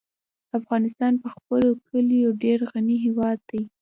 افغانستان په خپلو کلیو ډېر غني هېواد دی.